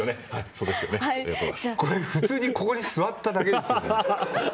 これ、普通にここに座っただけですよね。